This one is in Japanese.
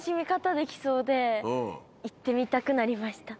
行ってみたくなりました。